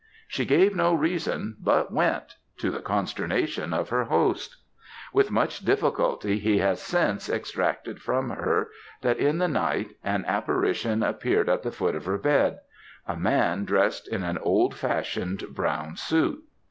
She gave no reason, but went, to the consternation of her host. With much difficulty, he has since extracted from her, that in the night an apparition appeared at the foot of her bed a man dressed in an old fashioned brown suit.